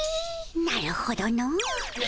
なるほどの。